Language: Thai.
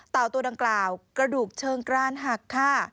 ตัวดังกล่าวกระดูกเชิงกรานหักค่ะ